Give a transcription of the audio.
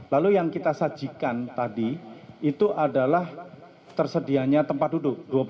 lalu yang kita sajikan tadi itu adalah tersedianya tempat duduk